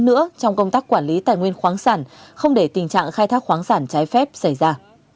nữa trong công tác quản lý tài nguyên khoáng sản không để tình trạng khai thác khoáng sản trái phép xảy ra